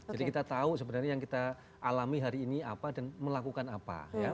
jadi kita tahu sebenarnya yang kita alami hari ini apa dan melakukan apa